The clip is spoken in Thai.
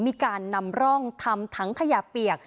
มีการนำร่องทำถังขยะเปียก